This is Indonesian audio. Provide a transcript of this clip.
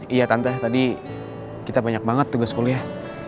iya tante tadi kita banyak banget tugas kuliah